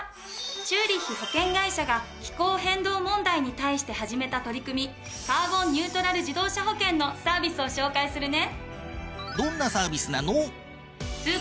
チューリッヒ保険会社が気候変動問題に対して始めた取り組みカーボンニュートラル自動車保険のサービスを紹介するね。